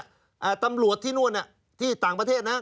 อ่าตำรวจที่นู่นน่ะที่ต่างประเทศนะ